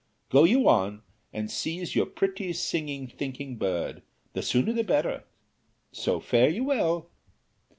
Go you on, and seize your pretty singing thinking bird the sooner the better. So fare you well."